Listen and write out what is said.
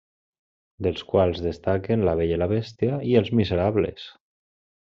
Dels quals destaquen 'La Bella i la Bèstia' i 'Els Miserables'.